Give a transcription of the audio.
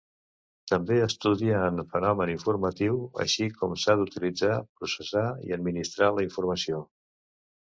També estudia en fenomen informatiu així com s'ha d'utilitzar, processar i administrar la informació.